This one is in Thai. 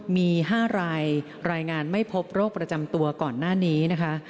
มี๕รายรายงานไม่พบโรคประจำตัวก่อนหน้านี้นะคะ